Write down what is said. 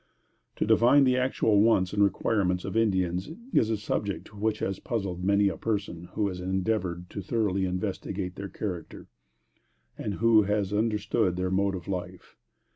To define the actual wants and requirements of Indians, is a subject which has puzzled many a person who has endeavored thoroughly to investigate their character, and who has understood their mode of life.